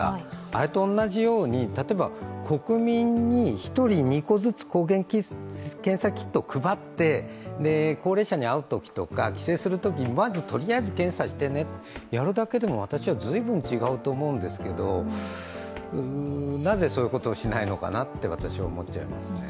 あれと同じように、例えば国民に１人２個ずつ抗原検査キットを配って、高齢者に会うときとか帰省するときまずとりあえず検査してねとやるだけでも私はずいぶん違うと思うんですけど、なぜそういうことをしないのかと私は思いますね。